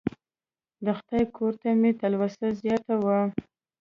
د خدای کور ته مې تلوسه زیاته وه.